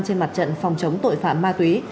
trên mặt trận phòng chống tội phạm ma túy